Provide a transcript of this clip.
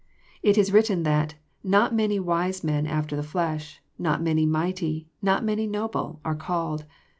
It is written that ^' not many wise men after the flesh, not many mighty, not many noble, are called."